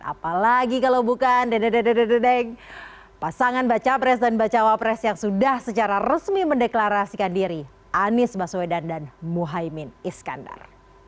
apalagi kalau bukan pasangan baca pres dan bacawa pres yang sudah secara resmi mendeklarasikan diri anies baswedan dan muhaymin iskandar